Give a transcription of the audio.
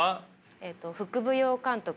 えっと副舞踊監督。